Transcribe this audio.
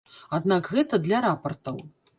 Аднак гэта для рапартаў.